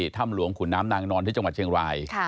ถ้ำหลวงขุนน้ำนางนอนที่จังหวัดเชียงราย